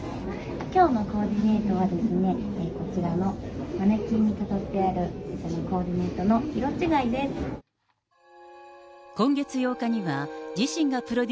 きょうのコーディネートは、こちらのマネキンに飾ってある、コー今月８日には、自身がプロデ